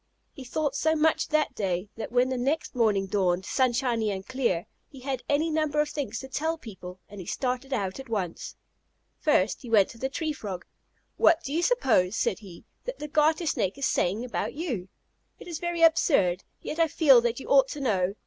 He thought so much that day, that when the next morning dawned sunshiny and clear, he had any number of things to tell people, and he started out at once. First he went to the Tree Frog. "What do you suppose," said he, "that the Garter Snake is saying about you? It is very absurd, yet I feel that you ought to know.